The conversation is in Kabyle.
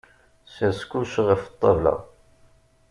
Sers kullec ɣef ṭṭabla!